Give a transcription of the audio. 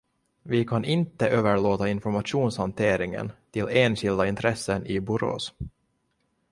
Vi kan inte överlåta informationshanteringen till enskilda intressen i Borås.